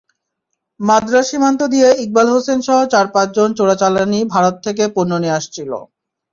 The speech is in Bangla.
মাদরা সীমান্ত দিয়ে ইকবাল হোসেনসহ চার-পাঁচজন চোরাচালানি ভারত থেকে পণ্য নিয়ে আসছিল।